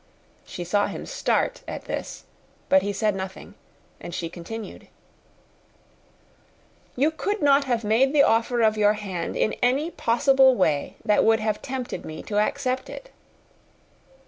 She saw him start at this; but he said nothing, and she continued, "You could not have made me the offer of your hand in any possible way that would have tempted me to accept it."